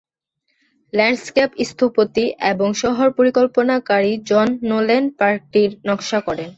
Landscape স্থপতি এবং শহর পরিকল্পনাকারী জন নোলেন পার্কটির নকশা করেন।